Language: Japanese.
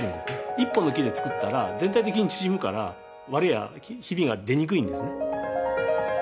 １本の木でつくったら全体的に縮むから割れやヒビが出にくいんですね